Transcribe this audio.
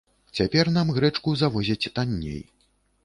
Цяпер нам грэчку завозяць танней.